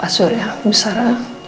asyur ya bu sarah